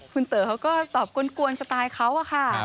คุณเต๋อเขาก็ตอบกวนสไตล์เขาอะค่ะ